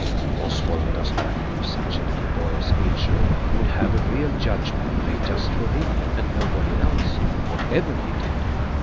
Oswald does not believe such a little boy as H.O. would have a real judgment made just for him and nobody else, whatever he did.